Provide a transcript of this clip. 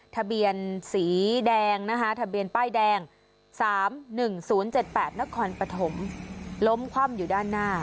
ทะเบียนสีแดงนะฮะทะเบียนป้ายแดงสามหนึ่งศูนย์เจ็ดแปดนครปฐมล้มคว่ำอยู่ด้านหน้า